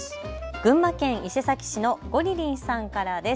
群馬県伊勢崎市のゴリリンさんからです。